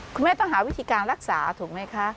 คุณแม่ต้องหาวิธีการรักษาถูกไหมคะ